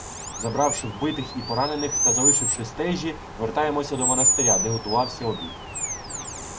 Забравши вбитих і поранених та залишивши стежі, вертаємося до монастиря, де готувався обід.